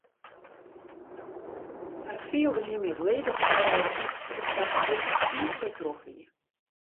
Hy fielde him misledige en rôp dat dit der fier by troch wie.